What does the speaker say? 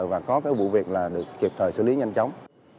và có cái vụ việc là được kịp thời xử lý nhanh chóng